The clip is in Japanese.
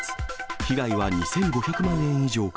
被害は２５００万円以上か。